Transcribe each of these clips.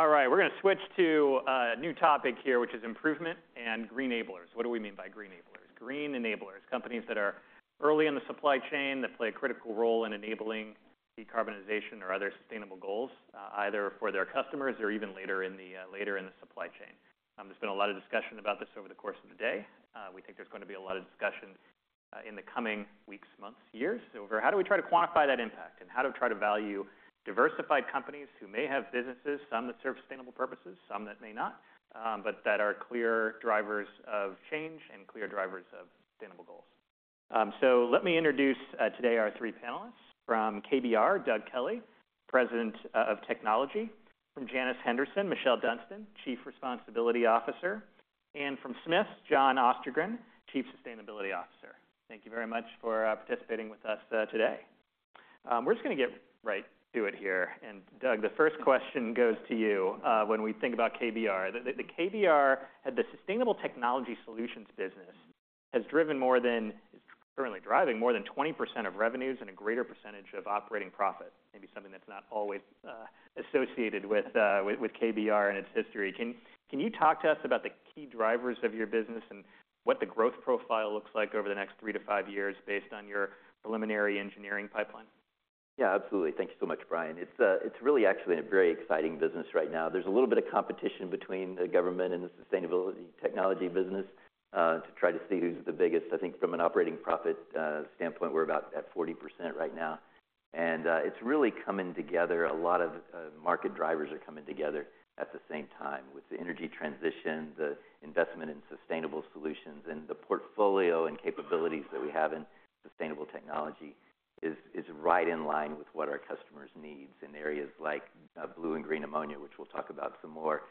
All right, we're gonna switch to a new topic here, which is improvement and green enablers. What do we mean by green enablers? Green enablers, companies that are early in the supply chain, that play a critical role in enabling decarbonization or other sustainable goals, either for their customers or even later in the later in the supply chain. There's been a lot of discussion about this over the course of the day. We think there's gonna be a lot of discussion in the coming weeks, months, years, over how do we try to quantify that impact? And how to try to value diversified companies who may have businesses, some that serve sustainable purposes, some that may not, but that are clear drivers of change and clear drivers of sustainable goals. So let me introduce today our three panelists. From KBR, Doug Kelly, President of Technology. From Janus Henderson, Michelle Dunstan, Chief Responsibility Officer, and from Smiths, John Ostergren, Chief Sustainability Officer. Thank you very much for participating with us today. We're just gonna get right to it here, and Doug, the first question goes to you. When we think about KBR, the KBR had the Sustainable Technology Solutions business, has driven more than it's currently driving more than 20% of revenues and a greater percentage of operating profit. Maybe something that's not always with KBR and its history. Can you talk to us about the key drivers of your business and what the growth profile looks like over the next three years to five years based on your preliminary engineering pipeline? Yeah, absolutely. Thank you so much, Brian. It's really actually a very exciting business right now. There's a little bit of competition between the government and the sustainability technology business to try to see who's the biggest. I think from an operating profit standpoint, we're about at 40% right now, and it's really coming together. A lot of market drivers are coming together at the same time with the energy transition, the investment in sustainable solutions, and the portfolio and capabilities that we have in sustainable technology is right in line with what our customers needs in areas like blue and green ammonia, which we'll talk about some more,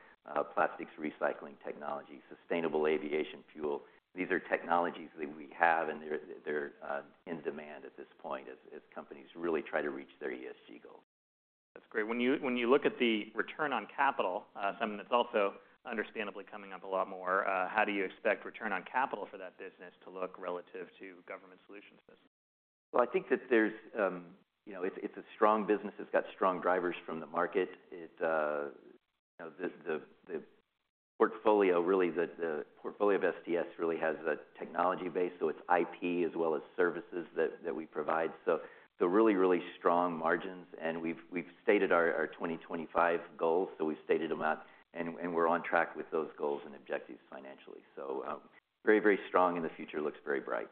plastics recycling technology, sustainable aviation fuel. These are technologies that we have, and they're in demand at this point as companies really try to reach their ESG goals. That's great. When you look at the return on capital, something that's also understandably coming up a lot more, how do you expect return on capital for that business to look relative to Government Solutions business? Well, I think that there's, you know, it's, it's a strong business. It's got strong drivers from the market. It, you know, the portfolio, really, the portfolio of STS really has a technology base, so it's IP as well as services that we provide. So really, really strong margins, and we've stated our 2025 goals, so we've stated them out, and we're on track with those goals and objectives financially. So, very, very strong, and the future looks very bright.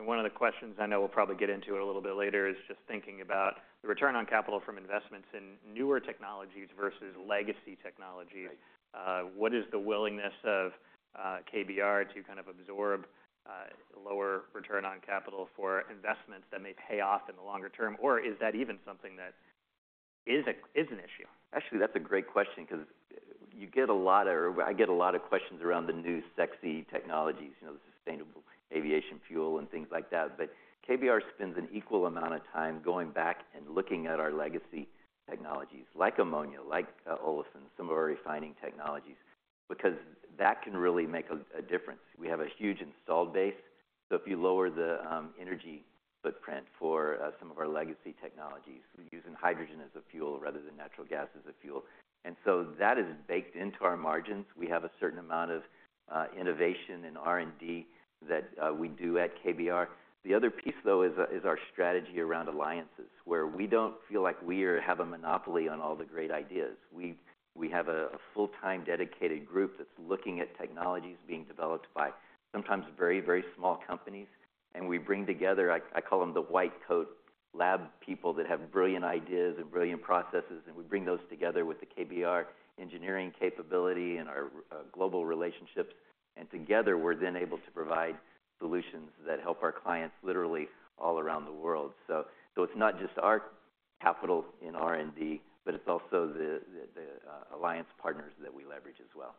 One of the questions I know we'll probably get into a little bit later is just thinking about the return on capital from investments in newer technologies versus legacy technologies. Right. What is the willingness of KBR to kind of absorb lower return on capital for investments that may pay off in the longer term? Or is that even something that is an issue? Actually, that's a great question cause you get a lot of, or I get a lot of questions around the new sexy technologies, you know, sustainable aviation fuel and things like that. But KBR spends an equal amount of time going back and looking at our legacy technologies, like ammonia, like olefins, some of our refining technologies, because that can really make a difference. We have a huge installed base, so if you lower the energy footprint for some of our legacy technologies, we're using hydrogen as a fuel rather than natural gas as a fuel. And so that is baked into our margins. We have a certain amount of innovation in R&D that we do at KBR. The other piece, though, is our strategy around alliances, where we don't feel like we have a monopoly on all the great ideas. We have a full-time dedicated group that's looking at technologies being developed by sometimes very, very small companies, and we bring together, I call them the white coat lab people that have brilliant ideas and brilliant processes, and we bring those together with the KBR engineering capability and our global relationships, and together, we're then able to provide solutions that help our clients literally all around the world. So, it's not just our capital in R&D, but it's also the alliance partners that we leverage as well.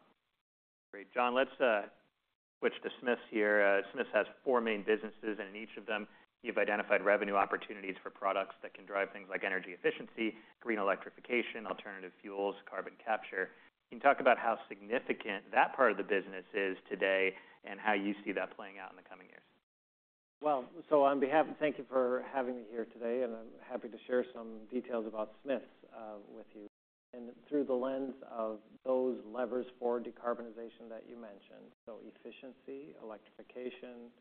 Great. John, let's switch to Smiths here. Smiths has four main businesses, and in each of them, you've identified revenue opportunities for products that can drive things like energy efficiency, green electrification, alternative fuels, carbon capture. Can you talk about how significant that part of the business is today and how you see that playing out in the coming years? Well, so on behalf-- thank you for having me here today, and I'm happy to share some details about Smiths with you, and through the lens of those levers for decarbonization that you mentioned, so efficiency, electrification,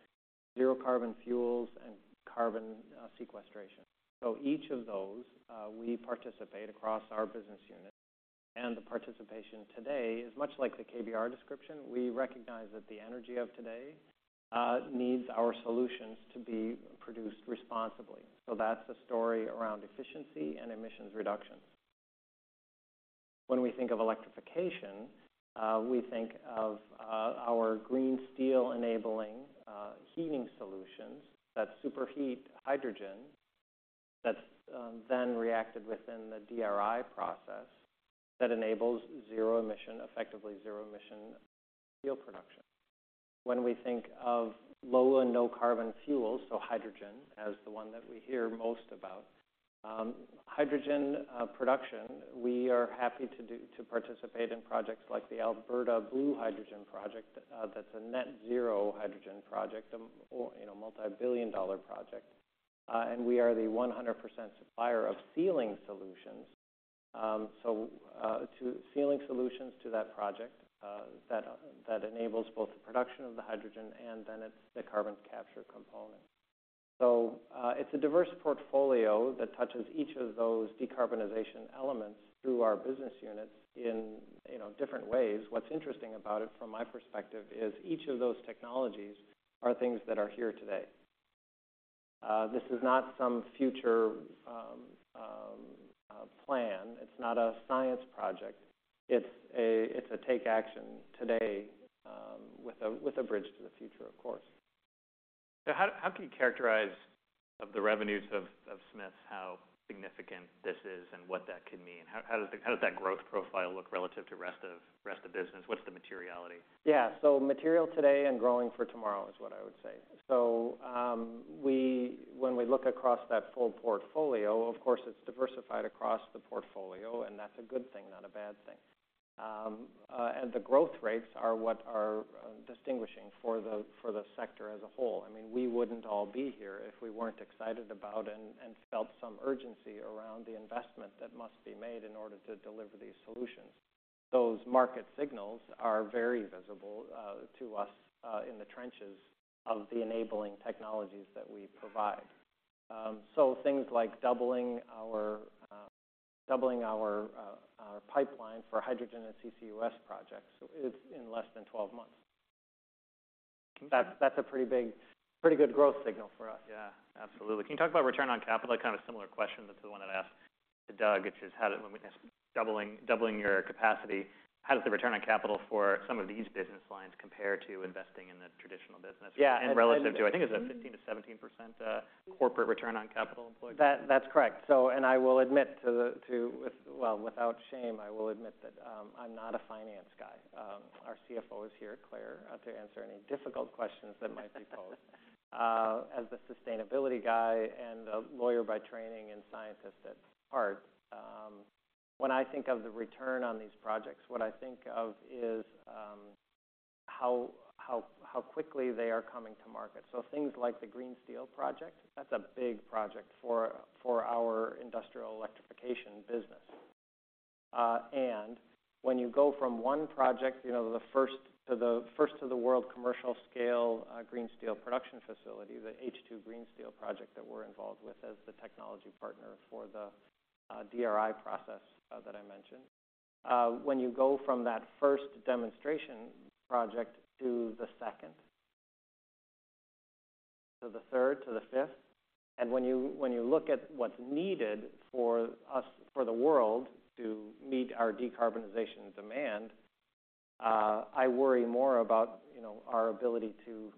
zero carbon fuels, and carbon sequestration. So each of those we participate across our business units, and the participation today is much like the KBR description. We recognize that the energy of today needs our solutions to be produced responsibly, so that's the story around efficiency and emissions reductions. When we think of electrification, we think of our green steel-enabling heating solutions. That's superheat hydrogen that's then reacted within the DRI process that enables zero emission, effectively zero emission steel production. When we think of low and no carbon fuels, so hydrogen as the one that we hear most about, hydrogen production, we are happy to participate in projects like the Alberta Blue Hydrogen Project, that's a net zero hydrogen project, or, you know, $ multi-billion-dollar project, and we are the 100% supplier of sealing solutions. So, to sealing solutions to that project, that, that enables both the production of the hydrogen and then it's the carbon capture component. So, it's a diverse portfolio that touches each of those decarbonization elements through our business units in, you know, different ways. What's interesting about it, from my perspective, is each of those technologies are things that are here today. This is not some future plan. It's not a science project. It's a take action today, with a bridge to the future, of course. So how can you characterize the revenues of Smiths, how significant this is and what that could mean? How does that growth profile look relative to rest of business? What's the materiality? Yeah, so material today and growing for tomorrow is what I would say. So, when we look across that full portfolio, of course, it's diversified across the portfolio, and that's a good thing, not a bad thing. And the growth rates are what are distinguishing for the sector as a whole. I mean, we wouldn't all be here if we weren't excited about and felt some urgency around the investment that must be made in order to deliver these solutions. Those market signals are very visible to us in the trenches of the enabling technologies that we provide. So things like doubling our pipeline for hydrogen and CCUS projects, so it's in less than 12 months. That's a pretty big, pretty good growth signal for us. Yeah, absolutely. Can you talk about return on capital? Like, kind of a similar question to the one I asked to Doug, which is, how does... When doubling, doubling your capacity, how does the return on capital for some of these business lines compare to investing in the traditional business- Yeah. and relative to, I think, it's a 15% to 17% corporate return on capital employed? That's correct. So, and I will admit, without shame, I will admit that, I'm not a finance guy. Our CFO is here, Clare, to answer any difficult questions that might be posed. As the sustainability guy and a lawyer by training and scientist at heart, when I think of the return on these projects, what I think of is, how quickly they are coming to market. So things like the Green Steel project, that's a big project for our industrial electrification business. And when you go from one project, you know, the first to the first-of-the-world commercial scale green steel production facility, the H2 Green Steel project that we're involved with as the technology partner for the DRI process that I mentioned. When you go from that first demonstration project to the second, to the third, to the fifth, and when you, when you look at what's needed for us, for the world to meet our decarbonization demand, I worry more about, you know, our ability to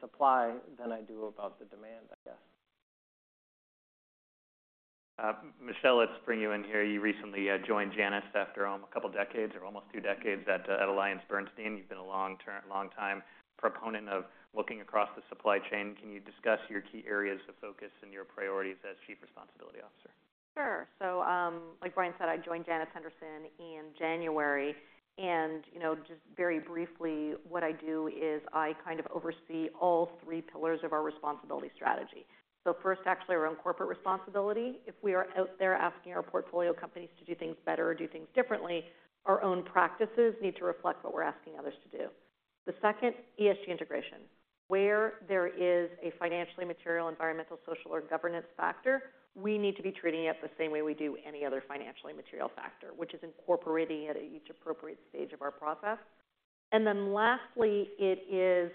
supply than I do about the demand, I guess. Michelle, let's bring you in here. You recently joined Janus after a couple of decades or almost two decades at AllianceBernstein. You've been a long-term, long-time proponent of looking across the supply chain. Can you discuss your key areas of focus and your priorities as Chief Responsibility Officer? Sure. So, like Brian said, I joined Janus Henderson in January, and, you know, just very briefly, what I do is I kind of oversee all three pillars of our responsibility strategy. So first, actually, our own corporate responsibility. If we are out there asking our portfolio companies to do things better or do things differently, our own practices need to reflect what we're asking others to do. The second, ESG integration. Where there is a financially material, environmental, social, or governance factor, we need to be treating it the same way we do any other financially material factor, which is incorporating it at each appropriate stage of our process. And then lastly, it is,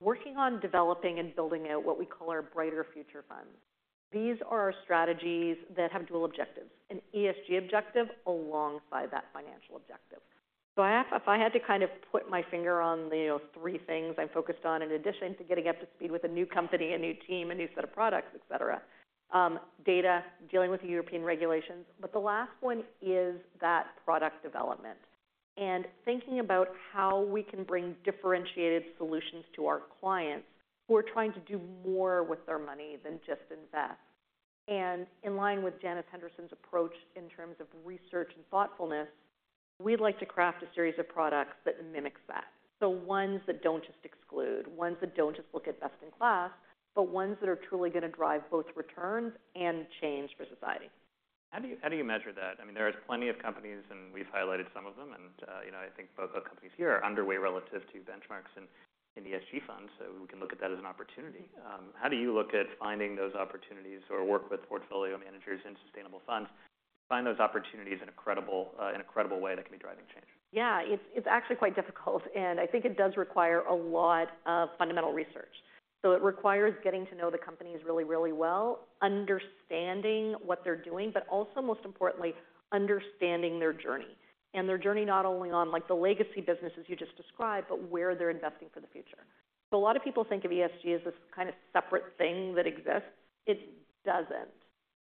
working on developing and building out what we call our Brighter Future Funds. These are strategies that have dual objectives, an ESG objective alongside that financial objective. So, if I had to kind of put my finger on the, you know, three things I'm focused on, in addition to getting up to speed with a new company, a new team, a new set of products, et cetera, data, dealing with the European regulations, but the last one is that product development. Thinking about how we can bring differentiated solutions to our clients, who are trying to do more with their money than just invest. In line with Janus Henderson's approach in terms of research and thoughtfulness, we'd like to craft a series of products that mimics that. Ones that don't just exclude, ones that don't just look at best in class, but ones that are truly going to drive both returns and change for society. How do you measure that? I mean, there are plenty of companies, and we've highlighted some of them, and, you know, I think both of the companies here are underway relative to benchmarks and ESG funds, so we can look at that as an opportunity. How do you look at finding those opportunities or work with portfolio managers in sustainable funds to find those opportunities in a credible way that can be driving change? Yeah, it's actually quite difficult, and I think it does require a lot of fundamental research. So it requires getting to know the companies really, really well, understanding what they're doing, but also, most importantly, understanding their journey, and their journey not only on, like, the legacy businesses you just described, but where they're investing for the future. So a lot of people think of ESG as this kind of separate thing that exists. It doesn't.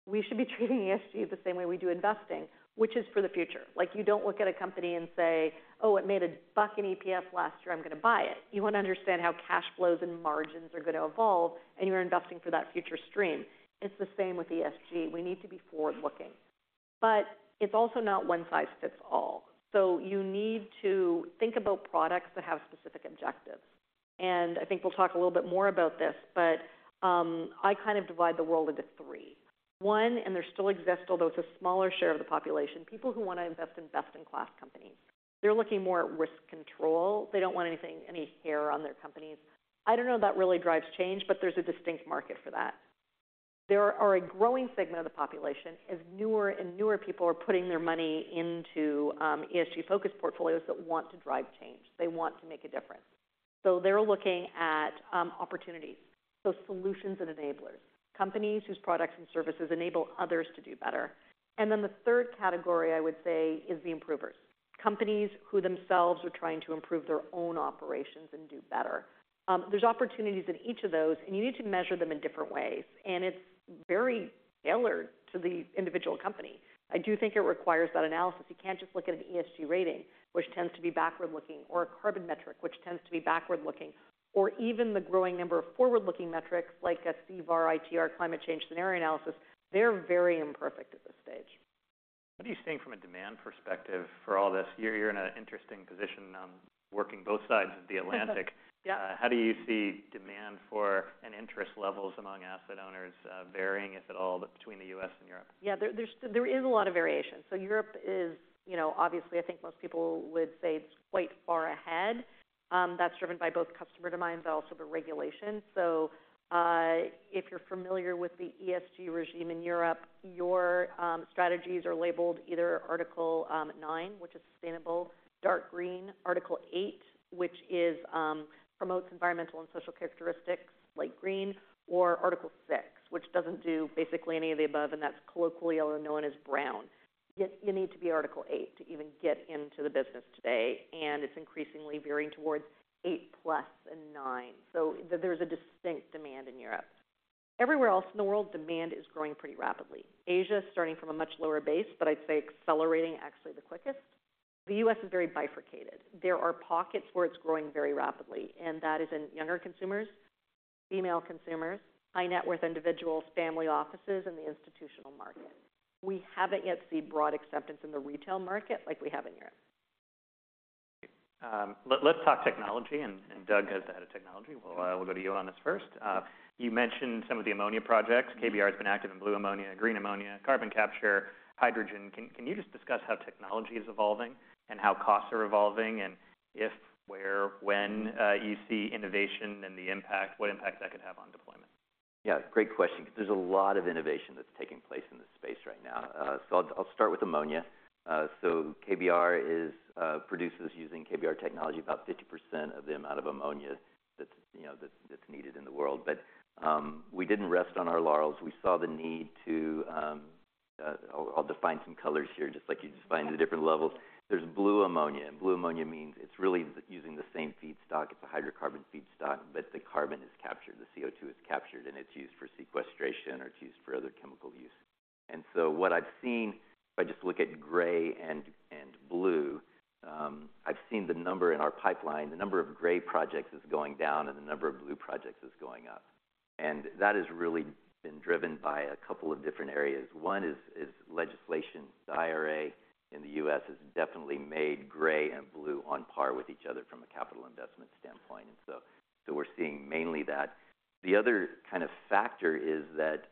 We should be treating ESG the same way we do investing, which is for the future. Like, you don't look at a company and say: "Oh, it made a buck in EPS last year. I'm going to buy it." You want to understand how cash flows and margins are going to evolve, and you are investing for that future stream. It's the same with ESG. We need to be forward-looking. It's also not one size fits all. You need to think about products that have specific objectives. I think we'll talk a little bit more about this, but I kind of divide the world into three. One, and they still exist, although it's a smaller share of the population, people who want to invest in best-in-class companies. They're looking more at risk control. They don't want anything, any hair on their companies. I don't know if that really drives change, but there's a distinct market for that. There are a growing segment of the population, as newer and newer people are putting their money into ESG-focused portfolios that want to drive change. They want to make a difference. They're looking at opportunities, so solutions and enablers, companies whose products and services enable others to do better. Then the third category, I would say, is the improvers, companies who themselves are trying to improve their own operations and do better. There's opportunities in each of those, and you need to measure them in different ways, and it's very tailored to the individual company. I do think it requires that analysis. You can't just look at an ESG rating, which tends to be backward-looking, or a carbon metric, which tends to be backward-looking, or even the growing number of forward-looking metrics like a CVAR ITR climate change scenario analysis. They're very imperfect at this stage. What are you seeing from a demand perspective for all this? You're in an interesting position on working both sides of the Atlantic. Yeah. How do you see demand for and interest levels among asset owners, varying, if at all, between the U.S. and Europe? Yeah, there is a lot of variation. So Europe is, you know, obviously, I think most people would say it's quite far ahead. That's driven by both customer demand, but also the regulation. So, if you're familiar with the ESG regime in Europe, your strategies are labeled either Article Nine, which is sustainable, dark green, Article Eight, which promotes environmental and social characteristics, light green, or Article Six, which doesn't do basically any of the above, and that's colloquially known as brown. You need to be Article Eight to even get into the business today, and it's increasingly veering towards eight plus and nine. So there's a distinct demand in Europe. Everywhere else in the world, demand is growing pretty rapidly. Asia, starting from a much lower base, but I'd say accelerating actually the quickest. The U.S. is very bifurcated. There are pockets where it's growing very rapidly, and that is in younger consumers, female consumers, high net worth individuals, family offices, and the institutional market. We haven't yet seen broad acceptance in the retail market like we have in Europe. Let's talk technology, and Doug, as the head of technology, we'll go to you on this first. You mentioned some of the ammonia projects. KBR has been active in blue ammonia, green ammonia, carbon capture, hydrogen. Can you just discuss how technology is evolving and how costs are evolving, and if, where, when you see innovation and the impact, what impact that could have on deployment? Yeah, great question, because there's a lot of innovation that's taking place in this space right now. So I'll start with ammonia. So KBR produces using KBR technology, about 50% of the amount of ammonia that's, you know, that's needed in the world. But we didn't rest on our laurels. We saw the need to. I'll define some colors here, just like you defined the different levels. There's blue ammonia, and blue ammonia means it's really using the same feedstock. It's a hydrocarbon feedstock, but the carbon is captured, the CO2 is captured, and it's used for sequestration or it's used for other chemical use. And so what I've seen, if I just look at gray and blue, I've seen the number in our pipeline, the number of gray projects is going down and the number of blue projects is going up. And that has really been driven by a couple of different areas. One is legislation. The IRA in the U.S. has definitely made gray and blue on par with each other from a capital investment standpoint, and so we're seeing mainly that. The other kind of factor is that,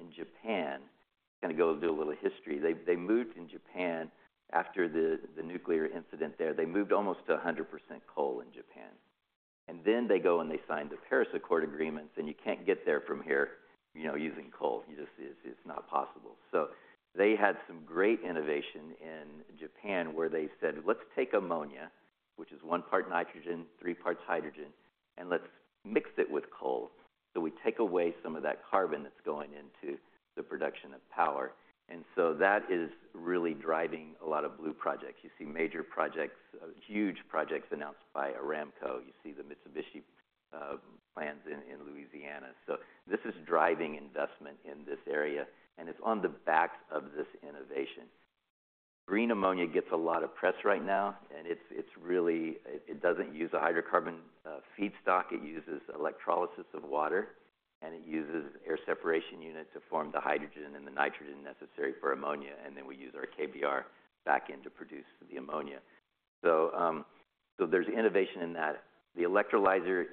in Japan, I'm gonna go do a little history. They moved in Japan after the nuclear incident there. They moved almost to 100% coal in Japan, and then they go and they sign the Paris Accord agreements, and you can't get there from here, you know, using coal. It just is. It's not possible. So they had some great innovation in Japan, where they said: Let's take ammonia, which is one part nitrogen, three parts hydrogen, and let's mix it with coal. So we take away some of that carbon that's going into the production of power. And so that is really driving a lot of blue projects. You see major projects, huge projects announced by Aramco. You see the Mitsubishi plans in Louisiana. So this is driving investment in this area, and it's on the backs of this innovation. Green ammonia gets a lot of press right now, and it's really it doesn't use a hydrocarbon feedstock. It uses electrolysis of water, and it uses an air separation unit to form the hydrogen and the nitrogen necessary for ammonia, and then we use our KBR backend to produce the ammonia. So there's innovation in that. The electrolyzer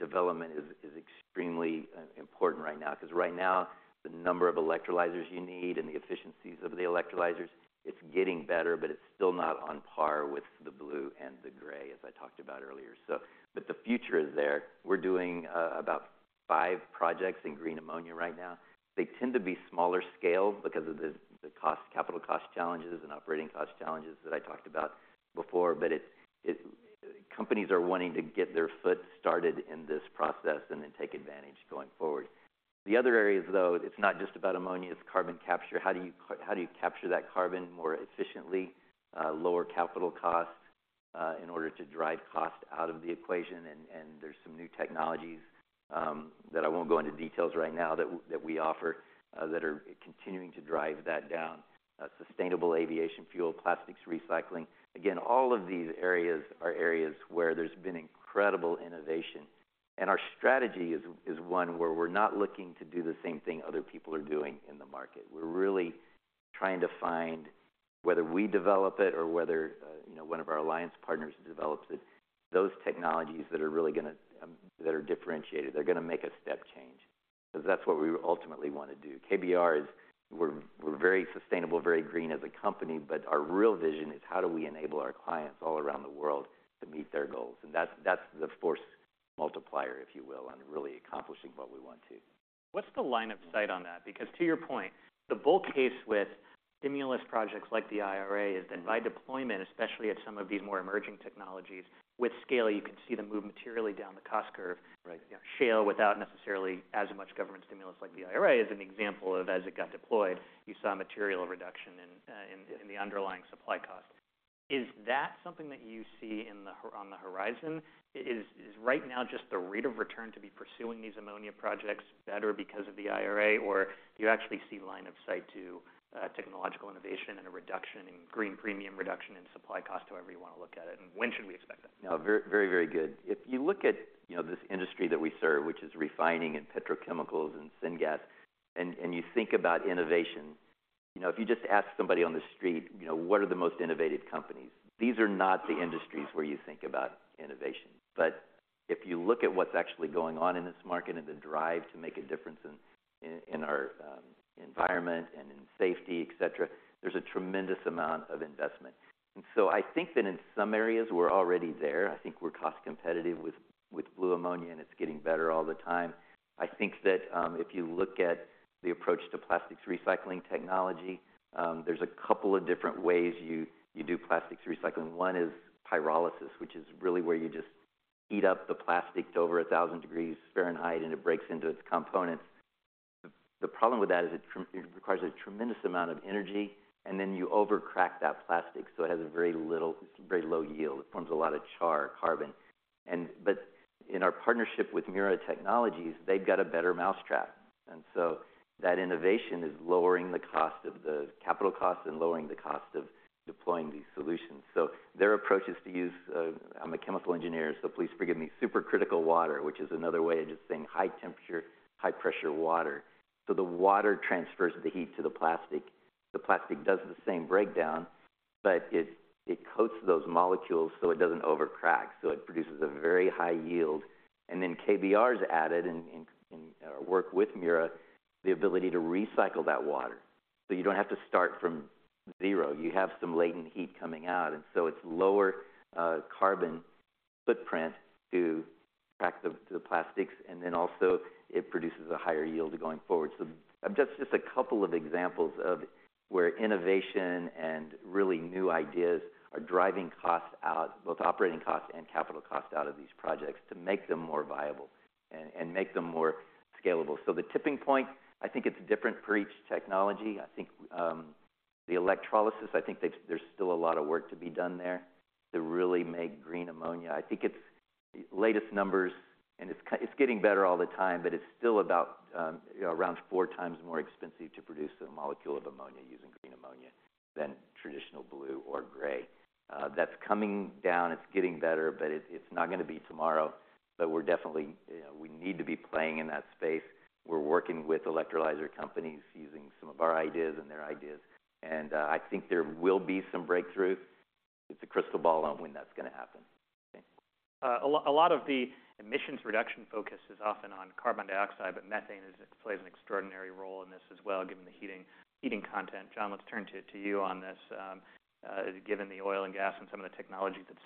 development is extremely important right now, 'cause right now, the number of electrolyzers you need and the efficiencies of the electrolyzers, it's getting better, but it's still not on par with the blue and the gray, as I talked about earlier, so. But the future is there. We're doing about five projects in green ammonia right now. They tend to be smaller scale because of the cost, capital cost challenges and operating cost challenges that I talked about before, but it, companies are wanting to get their foot started in this process and then take advantage going forward. The other areas, though, it's not just about ammonia, it's carbon capture. How do you capture that carbon more efficiently, lower capital costs, in order to drive cost out of the equation? And there's some new technologies that I won't go into details right now, that we offer that are continuing to drive that down. Sustainable aviation fuel, plastics recycling. Again, all of these areas are areas where there's been incredible innovation. And our strategy is one where we're not looking to do the same thing other people are doing in the market. We're really trying to find whether we develop it or whether, you know, one of our alliance partners develops it, those technologies that are really gonna that are differentiated, they're gonna make a step change, because that's what we ultimately want to do. KBR is, we're very sustainable, very green as a company, but our real vision is how do we enable our clients all around the world to meet their goals? That's, that's the force multiplier, if you will, on really accomplishing what we want to. What's the line of sight on that? Because to your point, the bull case with stimulus projects like the IRA is that by deployment, especially at some of these more emerging technologies, with scale, you can see them move materially down the cost curve. Right. Shale, without necessarily as much government stimulus like the IRA, is an example of as it got deployed, you saw a material reduction in the underlying supply cost. Is that something that you see on the horizon? Is right now just the rate of return to be pursuing these ammonia projects better because of the IRA, or do you actually see line of sight to technological innovation and a reduction in green premium reduction in supply cost, however you want to look at it, and when should we expect that? No, very, very, very good. If you look at, you know, this industry that we serve, which is refining and petrochemicals and syngas, and you think about innovation, you know, if you just ask somebody on the street, "You know, what are the most innovative companies?" These are not the industries where you think about innovation. But if you look at what's actually going on in this market and the drive to make a difference in our environment and in safety, et cetera, there's a tremendous amount of investment. And so I think that in some areas, we're already there. I think we're cost competitive with blue ammonia, and it's getting better all the time. I think that if you look at the approach to plastics recycling technology, there's a couple of different ways you do plastics recycling. One is pyrolysis, which is really where you just heat up the plastic to over 1,000 degrees Fahrenheit, and it breaks into its components. The problem with that is it requires a tremendous amount of energy, and then you overcrack that plastic, so it has a very little, very low yield. It forms a lot of char carbon. But in our partnership with Mura Technology, they've got a better mousetrap. And so that innovation is lowering the cost of the capital costs and lowering the cost of deploying these solutions. So their approach is to use, I'm a chemical engineer, so please forgive me, supercritical water, which is another way of just saying high temperature, high pressure water. So the water transfers the heat to the plastic. The plastic does the same breakdown, but it coats those molecules so it doesn't overcrack, so it produces a very high yield. And then KBR's added in our work with Mura, the ability to recycle that water. So you don't have to start from zero. You have some latent heat coming out, and so it's lower carbon footprint to crack the plastics, and then also it produces a higher yield going forward. So that's just a couple of examples of where innovation and really new ideas are driving costs out, both operating costs and capital costs, out of these projects to make them more viable and make them more scalable. So the tipping point, I think it's different for each technology. I think the electrolysis, I think there's still a lot of work to be done there to really make green ammonia. I think it's latest numbers, and it's getting better all the time, but it's still about, you know, around four times more expensive to produce a molecule of ammonia using green ammonia than traditional blue or gray. That's coming down, it's getting better, but it's not gonna be tomorrow. But we're definitely, you know, we need to be playing in that space. We're working with electrolyzer companies using some of our ideas and their ideas, and I think there will be some breakthroughs. It's a crystal ball on when that's gonna happen. A lot of the emissions reduction focus is often on carbon dioxide, but methane is, it plays an extraordinary role in this as well, given the heating content. John, let's turn to you on this. Given the oil and gas and some of the technologies that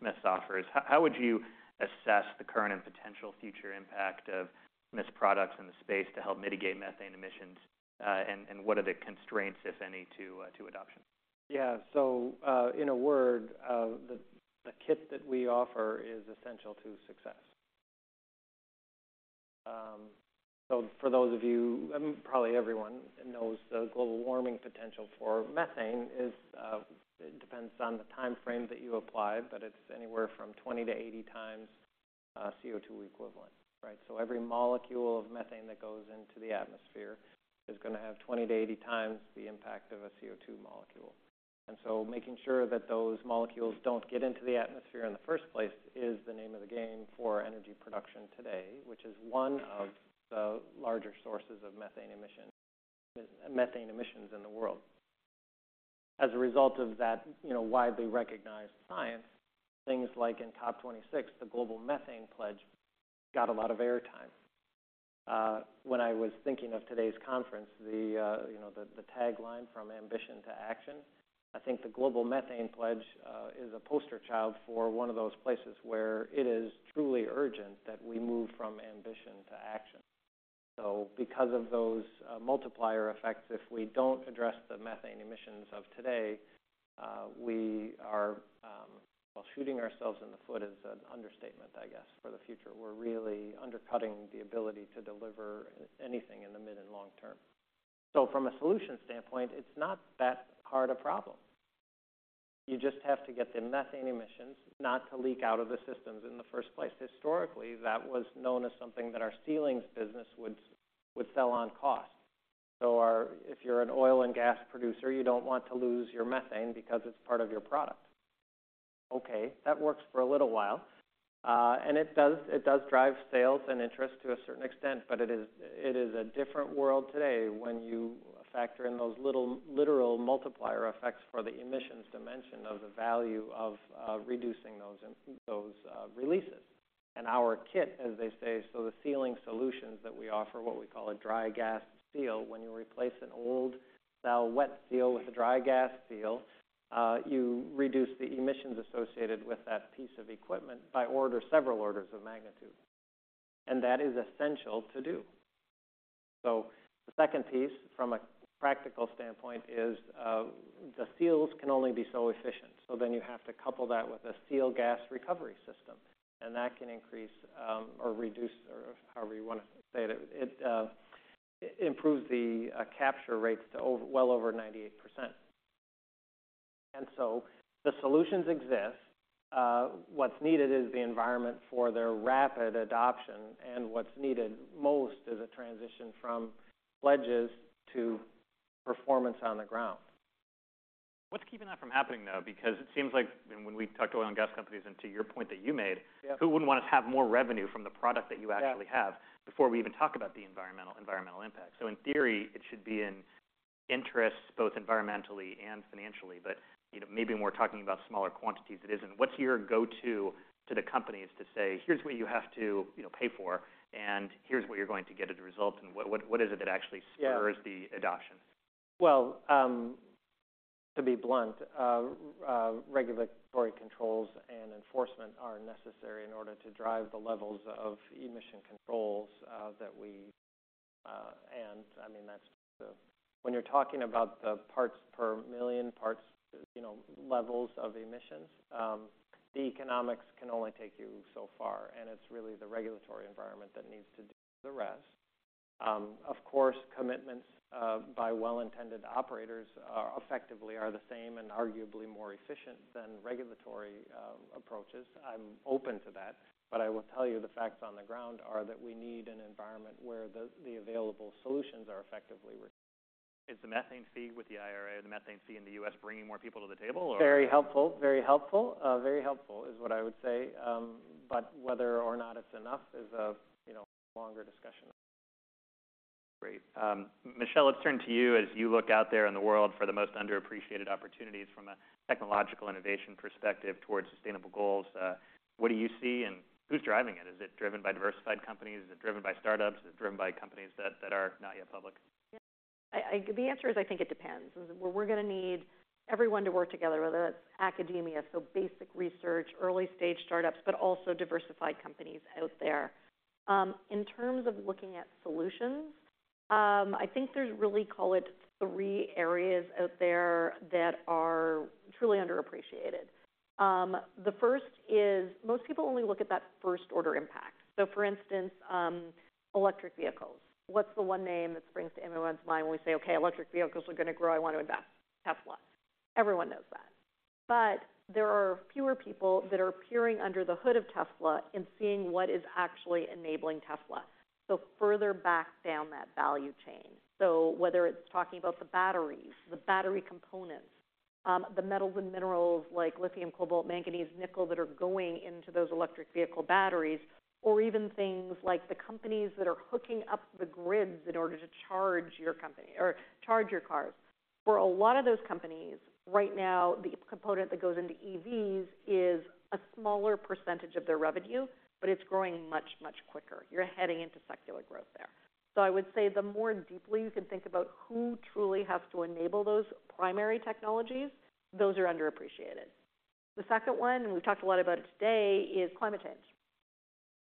Smiths offers, how would you assess the current and potential future impact of Smiths's products in the space to help mitigate methane emissions, and what are the constraints, if any, to adoption? Yeah. So, in a word, the kit that we offer is essential to success. So for those of you, probably everyone knows the global warming potential for methane is, it depends on the time frame that you apply, but it's anywhere from 20 times to 80 times CO2 equivalent, right? So every molecule of methane that goes into the atmosphere is gonna have 20 times to 80 times the impact of a CO2 molecule. And so making sure that those molecules don't get into the atmosphere in the first place is the name of the game for energy production today, which is one of the larger sources of methane emission, methane emissions in the world. As a result of that, you know, widely recognized science, things like in COP26, the Global Methane Pledge got a lot of airtime. When I was thinking of today's conference, you know, the tagline, From Ambition to Action, I think the Global Methane Pledge is a poster child for one of those places where it is truly urgent that we move from ambition to action. So because of those multiplier effects, if we don't address the methane emissions of today, we are, well, shooting ourselves in the foot is an understatement, I guess, for the future. We're really undercutting the ability to deliver anything in the mid and long term. So from a solution standpoint, it's not that hard a problem. You just have to get the methane emissions not to leak out of the systems in the first place. Historically, that was known as something that our sealing business would sell on cost. So our, if you're an oil and gas producer, you don't want to lose your methane because it's part of your product. Okay, that works for a little while. And it does, it does drive sales and interest to a certain extent, but it is, it is a different world today when you factor in those little literal multiplier effects for the emissions dimension of the value of, reducing those, those, releases. And our kit, as they say, so the sealing solutions that we offer, what we call a dry gas seal, when you replace an old-style wet seal with a dry gas seal, you reduce the emissions associated with that piece of equipment by order, several orders of magnitude, and that is essential to do. So the second piece, from a practical standpoint, is, the seals can only be so efficient, so then you have to couple that with a seal gas recovery system, and that can increase, or reduce, or however you want to say it. It improves the, capture rates to well over 98%. And so the solutions exist. What's needed is the environment for their rapid adoption, and what's needed most is a transition from pledges to performance on the ground. What's keeping that from happening, though? Because it seems like when we've talked to oil and gas companies, and to your point that you made, Yeah. Who wouldn't want to have more revenue from the product that you actually have? Yeah Before we even talk about the environmental, environmental impact? So in theory, it should be in interest, both environmentally and financially, but, you know, maybe when we're talking about smaller quantities, it isn't. What's your go-to to the companies to say: Here's what you have to, you know, pay for, and here's what you're going to get as a result, and what, what is it that actually- Yeah spurs the adoption? Well, to be blunt, regulatory controls and enforcement are necessary in order to drive the levels of emission controls that we, I mean, that's when you're talking about the parts per million, you know, levels of emissions, the economics can only take you so far, and it's really the regulatory environment that needs to do the rest. Of course, commitments by well-intended operators are effectively the same and arguably more efficient than regulatory approaches. I'm open to that, but I will tell you, the facts on the ground are that we need an environment where the available solutions are effectively reduced. Is the methane fee with the IRA, or the methane fee in the US bringing more people to the table, or? Very helpful, very helpful, very helpful is what I would say. But whether or not it's enough is a, you know, longer discussion. Great. Michelle, let's turn to you. As you look out there in the world for the most underappreciated opportunities from a technological innovation perspective towards sustainable goals, what do you see, and who's driving it? Is it driven by diversified companies? Is it driven by startups? Is it driven by companies that are not yet public? Yeah. The answer is, I think it depends. We're going to need everyone to work together, whether that's academia, so basic research, early-stage startups, but also diversified companies out there. In terms of looking at solutions, I think there's really, call it, three areas out there that are truly underappreciated. The first is most people only look at that first order impact. So for instance, electric vehicles. What's the one name that springs to everyone's mind when we say, "Okay, electric vehicles are going to grow, I want to invest, Tesla". Everyone knows that. But there are fewer people that are peering under the hood of Tesla and seeing what is actually enabling Tesla, so further back down that value chain. So whether it's talking about the batteries, the battery components, the metals and minerals like lithium, cobalt, manganese, nickel, that are going into those electric vehicle batteries, or even things like the companies that are hooking up the grids in order to charge your company or charge your cars. For a lot of those companies, right now, the component that goes into EVs is a smaller percentage of their revenue, but it's growing much, much quicker. You're heading into secular growth there. So I would say the more deeply you can think about who truly has to enable those primary technologies, those are underappreciated. The second one, and we've talked a lot about it today, is climate change.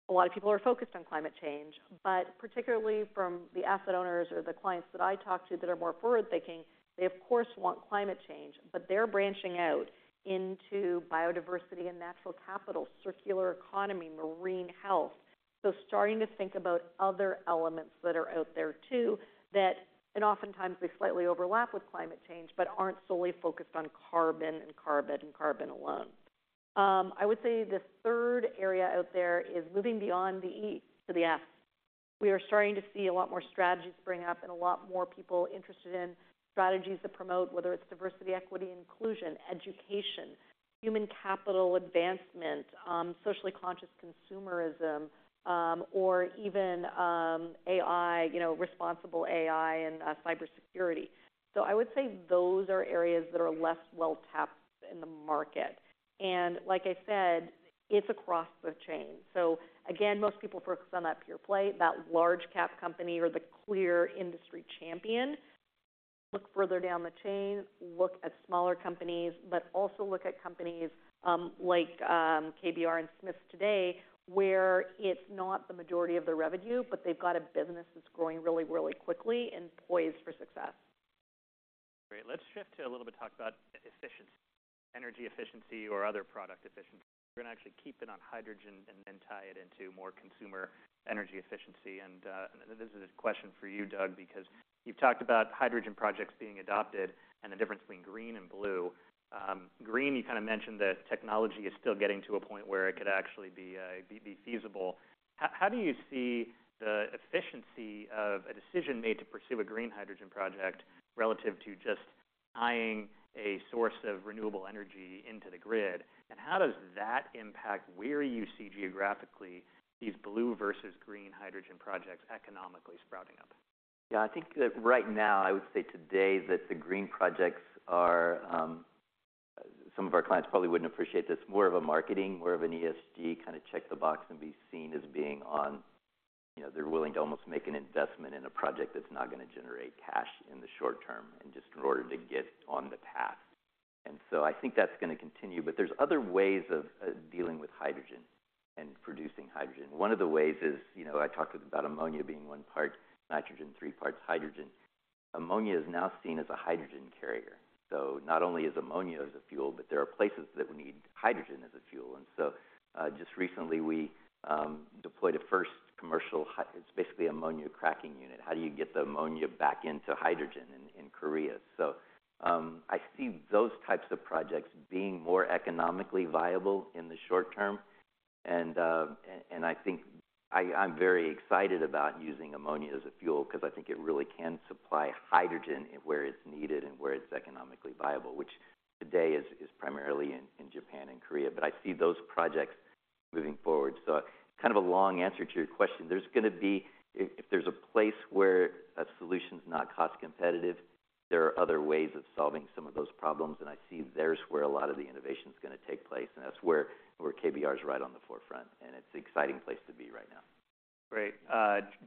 A lot of people are focused on climate change, but particularly from the asset owners or the clients that I talk to that are more forward-thinking, they of course want climate change, but they're branching out into biodiversity and natural capital, circular economy, marine health. So starting to think about other elements that are out there too, and oftentimes they slightly overlap with climate change, but aren't solely focused on carbon and carbon and carbon alone. I would say the third area out there is moving beyond the E to the S. We are starting to see a lot more strategies bring up and a lot more people interested in strategies that promote, whether it's diversity, equity, inclusion, education, human capital advancement, socially conscious consumerism, or even AI, you know, responsible AI and cybersecurity. So I would say those are areas that are less well-tapped in the market. And like I said, it's across the chain. So again, most people focus on that pure play, that large cap company or the clear industry champion. Look further down the chain, look at smaller companies, but also look at companies, like, KBR and Smiths today, where it's not the majority of their revenue, but they've got a business that's growing really, really quickly and poised for success. Great. Let's shift to a little bit, talk about efficiency, energy efficiency or other product efficiency. We're going to actually keep it on hydrogen and then tie it into more consumer energy efficiency. This is a question for you, Doug, because you've talked about hydrogen projects being adopted and the difference between green and blue. Green, you kind of mentioned that technology is still getting to a point where it could actually be feasible. How do you see the efficiency of a decision made to pursue a green hydrogen project relative to just tying a source of renewable energy into the grid, and how does that impact where you see geographically, these blue versus green hydrogen projects economically sprouting up? Yeah, I think that right now, I would say today, that the green projects are, some of our clients probably wouldn't appreciate this, more of a marketing, more of an ESG, kind of check the box and be seen as being on. You know, they're willing to almost make an investment in a project that's not gonna generate cash in the short term and just in order to get on the path. And so I think that's gonna continue. But there's other ways of dealing with hydrogen and producing hydrogen. One of the ways is, you know, I talked about ammonia being one part nitrogen, three parts hydrogen. Ammonia is now seen as a hydrogen carrier. So not only is ammonia as a fuel, but there are places that we need hydrogen as a fuel. And so, just recently, we deployed a first commercial ammonia cracking unit. How do you get the ammonia back into hydrogen in Korea? So, I see those types of projects being more economically viable in the short term. And, and I think I'm very excited about using ammonia as a fuel, 'cause I think it really can supply hydrogen where it's needed and where it's economically viable, which today is primarily in Japan and Korea. But I see those projects moving forward. So kind of a long answer to your question. There's gonna be., if there's a place where a solution's not cost competitive, there are other ways of solving some of those problems, and I see there's where a lot of the innovation is gonna take place, and that's where KBR is right on the forefront, and it's an exciting place to be right now. Great.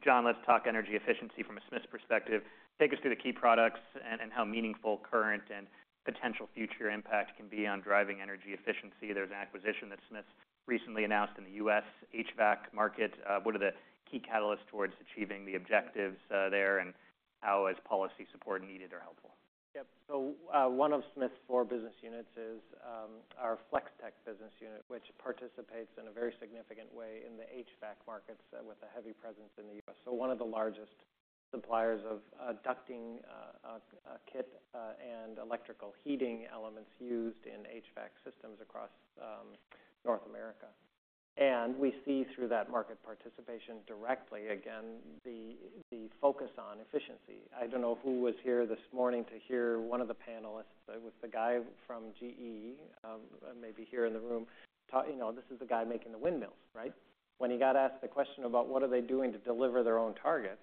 John, let's talk energy efficiency from a Smiths perspective. Take us through the key products and how meaningful current and potential future impact can be on driving energy efficiency. There's an acquisition that Smiths recently announced in the U.S. HVAC market. What are the key catalysts towards achieving the objectives there, and how is policy support needed or helpful? Yep. So, one of Smiths' four business units is, our Flex-Tek business unit, which participates in a very significant way in the HVAC markets with a heavy presence in the US. So one of the largest suppliers of, ducting, kit, and electrical heating elements used in HVAC systems across, North America. And we see through that market participation directly, again, the focus on efficiency. I don't know who was here this morning to hear one of the panelists, it was the guy from GE, maybe here in the room, talk. You know, this is the guy making the windmills, right? When he got asked the question about what are they doing to deliver their own targets,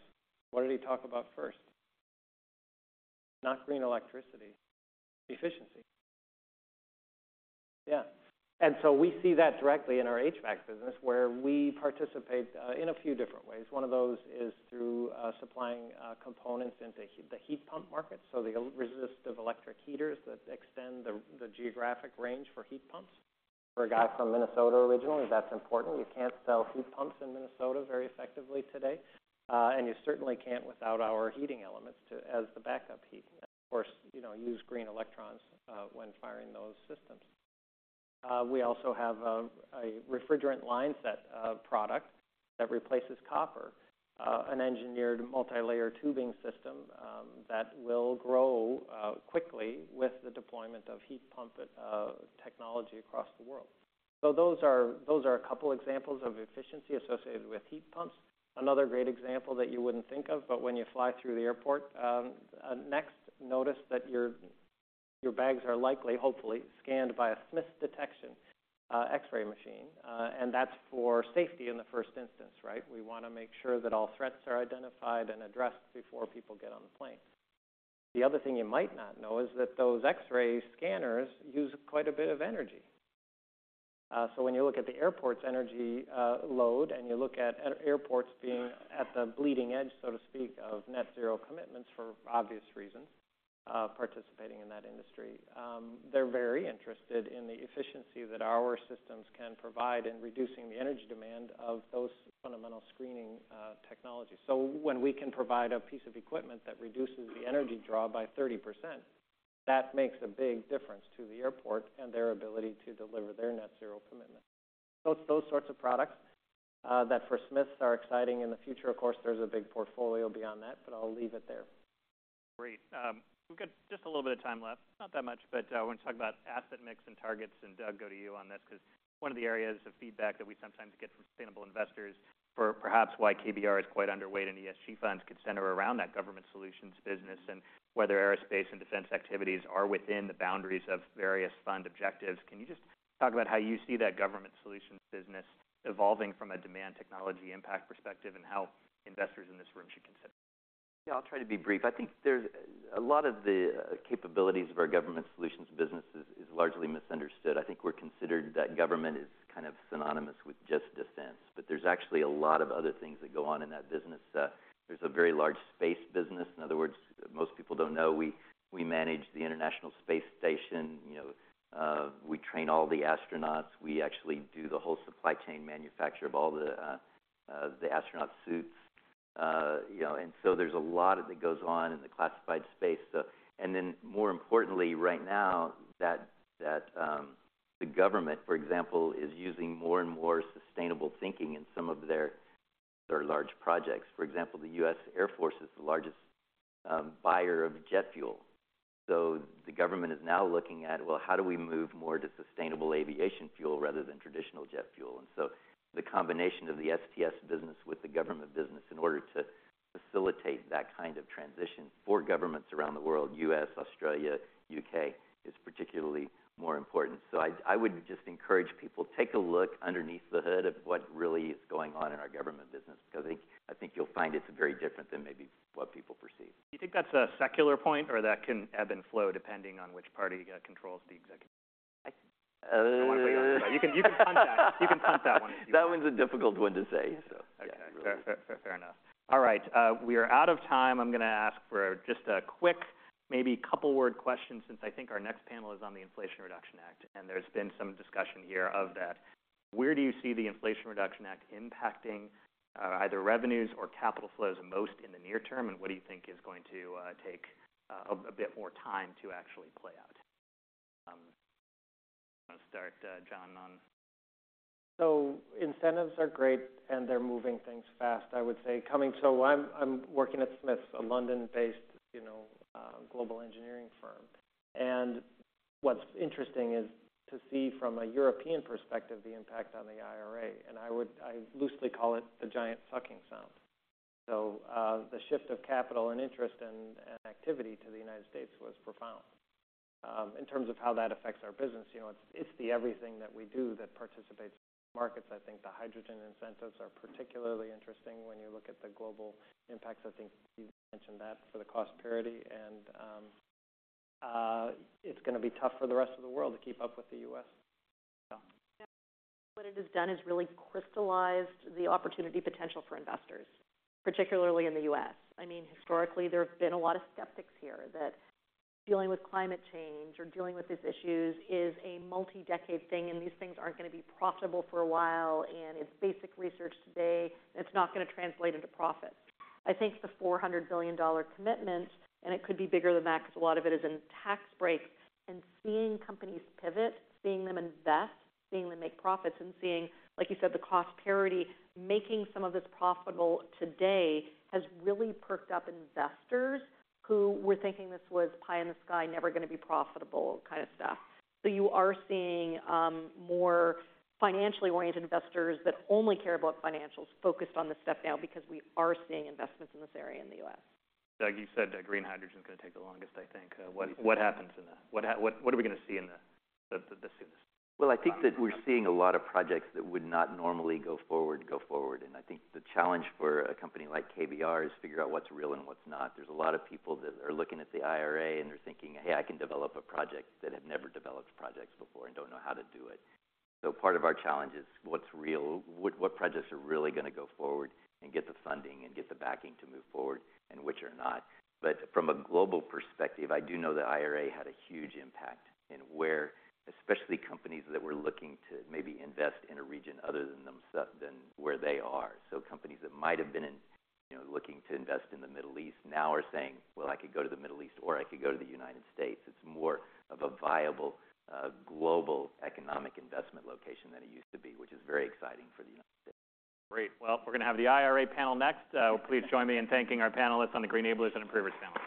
what did he talk about first? Not green electricity, efficiency. Yeah. And so we see that directly in our HVAC business, where we participate in a few different ways. One of those is through supplying components into the heat pump market, so the resistive electric heaters that extend the geographic range for heat pumps. For a guy from Minnesota, originally, that's important. You can't sell heat pumps in Minnesota very effectively today, and you certainly can't without our heating elements to as the backup heat. Of course, you know, use green electrons when firing those systems. We also have a refrigerant line set of product that replaces copper, an engineered multilayer tubing system, that will grow quickly with the deployment of heat pump technology across the world. So those are a couple examples of efficiency associated with heat pumps. Another great example that you wouldn't think of, but when you fly through the airport, notice that your bags are likely, hopefully, scanned by a Smiths Detection X-ray machine. And that's for safety in the first instance, right? We want to make sure that all threats are identified and addressed before people get on the plane. The other thing you might not know is that those X-ray scanners use quite a bit of energy. So when you look at the airport's energy load and you look at airports being at the bleeding edge, so to speak, of net zero commitments, for obvious reasons, participating in that industry, they're very interested in the efficiency that our systems can provide in reducing the energy demand of those fundamental screening technologies. So when we can provide a piece of equipment that reduces the energy draw by 30%, that makes a big difference to the airport and their ability to deliver their net zero commitment. So it's those sorts of products that for Smiths are exciting in the future. Of course, there's a big portfolio beyond that, but I'll leave it there. Great. We've got just a little bit of time left, not that much, but, I want to talk about asset mix and targets, and Doug, go to you on this, 'cause one of the areas of feedback that we sometimes get from sustainable investors for perhaps why KBR is quite underweight in ESG funds, could center around that government solutions business and whether aerospace and defense activities are within the boundaries of various fund objectives. Can you just talk about how you see that government solutions business evolving from a demand technology impact perspective, and how investors in this room should consider? Yeah, I'll try to be brief. I think there's a lot of the capabilities of our government solutions business is largely misunderstood. I think we're considered that government is kind of synonymous with just defense, but there's actually a lot of other things that go on in that business sector. There's a very large space business. In other words, most people don't know, we manage the International Space Station, you know, we train all the astronauts. We actually do the whole supply chain manufacture of all the the astronaut suits. You know, and so there's a lot that goes on in the classified space. So, and then more importantly, right now, the government, for example, is using more and more sustainable thinking in some of their large projects. For example, the U.S. Air Force is the largest buyer of jet fuel. So the government is now looking at, well, how do we move more to sustainable aviation fuel rather than traditional jet fuel? And so the combination of the STS business with the government business in order to facilitate that kind of transition for governments around the world, U.S., Australia, U.K., is particularly more important. So I, I would just encourage people, take a look underneath the hood of what really is going on in our government business, because I think, I think you'll find it's very different than maybe what people perceive. Do you think that's a secular point or that can ebb and flow depending on which party controls the executive? Uh. You can, you can punt that. You can punt that one if you want. That one's a difficult one to say, so yeah. Okay. Fair, fair, fair enough. All right, we are out of time. I'm going to ask for just a quick, maybe a couple word question, since I think our next panel is on the Inflation Reduction Act, and there's been some discussion here of that. Where do you see the Inflation Reduction Act impacting either revenues or capital flows most in the near term? And what do you think is going to take a bit more time to actually play out? I'm going to start, John, on. So incentives are great, and they're moving things fast, I would say. So I'm working at Smiths, a London-based, you know, global engineering firm. And what's interesting is to see from a European perspective, the impact on the IRA, and I would loosely call it the giant sucking sound. So the shift of capital and interest and activity to the United States was profound. In terms of how that affects our business, you know, it's everything that we do that participates in markets. I think the hydrogen incentives are particularly interesting when you look at the global impacts. I think you mentioned that for the cost parity, and it's going to be tough for the rest of the world to keep up with the U.S. What it has done is really crystallized the opportunity potential for investors, particularly in the U.S. I mean, historically, there have been a lot of skeptics here that dealing with climate change or dealing with these issues is a multi-decade thing, and these things aren't going to be profitable for a while, and it's basic research today, and it's not going to translate into profit. I think the $400 billion commitment, and it could be bigger than that, because a lot of it is in tax breaks, and seeing companies pivot, seeing them invest, seeing them make profits, and seeing, like you said, the cost parity, making some of this profitable today has really perked up investors who were thinking this was pie in the sky, never going to be profitable kind of stuff. So you are seeing more financially oriented investors that only care about financials focused on this stuff now because we are seeing investments in this area in the US. Doug, you said that green hydrogen is going to take the longest, I think. What happens in that, what are we going to see in the soonest? Well, I think that we're seeing a lot of projects that would not normally go forward, go forward. I think the challenge for a company like KBR is figure out what's real and what's not. There's a lot of people that are looking at the IRA and they're thinking, "Hey, I can develop a project", that have never developed projects before and don't know how to do it. So part of our challenge is what's real, what projects are really going to go forward and get the funding and get the backing to move forward and which are not. But from a global perspective, I do know the IRA had a huge impact in where, especially companies that were looking to maybe invest in a region other than than where they are. So companies that might have been, you know, looking to invest in the Middle East now are saying, "Well, I could go to the Middle East, or I could go to the United States." It's more of a viable, global economic investment location than it used to be, which is very exciting for the United States. Great. Well, we're going to have the IRA panel next. Please join me in thanking our panelists on the Green Enablers and Improvers panel.